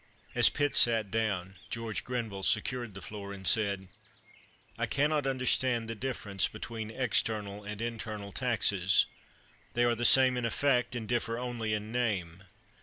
[As Pitt sat down, George Grenville secured the floor and said: "I can not understand the difference between external and internal taxes. They are the same in effect, and differ only in name.